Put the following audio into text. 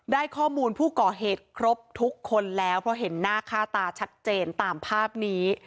ได้ข้อมูลผู้ก่อเหตุครบทุกคนแล้วเพราะเห็นหน้าค่าตาชัดเจนตามภาพนี้